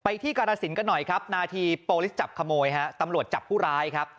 ที่กาลสินกันหน่อยครับนาทีโปรลิสจับขโมยฮะตำรวจจับผู้ร้ายครับ